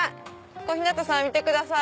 小日向さん見てください。